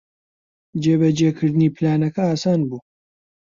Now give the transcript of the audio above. جێبەجێکردنی پلانەکە ئاسان بوو.